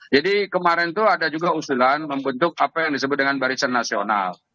jadi kemarin itu ada juga usulan membentuk apa yang disebut dengan barisan nasional